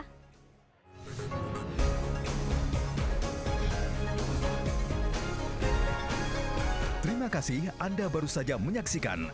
terima kasih anda baru saja menyaksikan